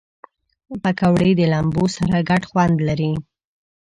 پکورې د لمبو سره ګډ خوند لري